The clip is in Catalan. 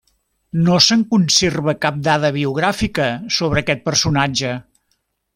No se'n conserva cap dada biogràfica sobre aquest personatge.